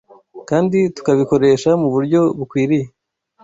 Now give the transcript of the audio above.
kandi tukabikoresha mu buryo bukwiriye.